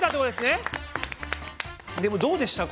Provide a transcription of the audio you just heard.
でもどうでした？